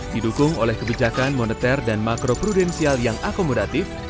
didukung oleh kebijakan moneter dan makro prudensial yang akomodatif